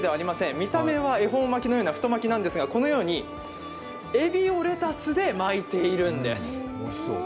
見た目は恵方巻のような太巻きなんですが、このようにエビをレタスで巻いているんです。